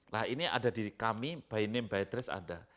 nah ini ada di kami bnm beatrice ada